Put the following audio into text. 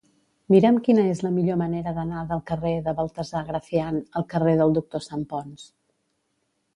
Mira'm quina és la millor manera d'anar del carrer de Baltasar Gracián al carrer del Doctor Santponç.